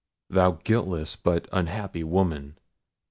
"Thou guiltless but unhappy woman!